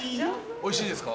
おいしいですか？